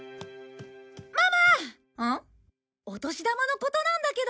お年玉のことなんだけど。